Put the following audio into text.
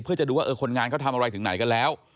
เพื่อจะดูว่าคนงานเขาทำอะไรถึงไหนกันแล้ว